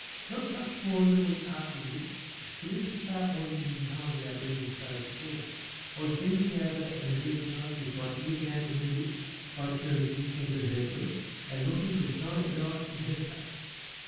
Not much more than a week afterwards for this was far on in the time of our being so together I was bending over at her bedside with my ear down to her lips, by turns listening for her breath and looking for a sign of life in her face.